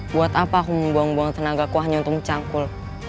buat apa aku mau buang buang tenagaku hanya untuk mencangkul